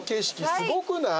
すごくない？